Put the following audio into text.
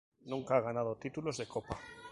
Nunca ha ganado títulos de copa.